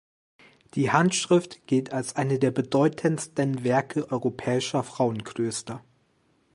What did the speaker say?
Die Handschrift gilt als eine der bedeutendsten Werke europäischer Frauenklöster.